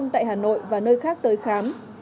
tại hà nội và nơi khác tới khám